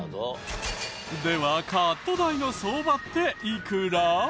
ではカット代の相場っていくら？